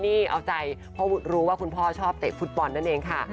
นี่เอาใจเพราะรู้ว่าคุณพ่อชอบเตะฟุตบอลนั่นเองค่ะ